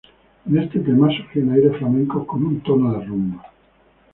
En este tema surgen aires flamencos con un tono de rumba.